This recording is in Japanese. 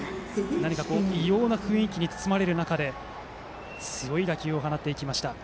何か異様な雰囲気に包まれる中で強い打球を放っていきました清原。